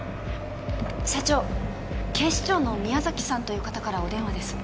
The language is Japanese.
社長警視庁の宮崎さんという方からお電話です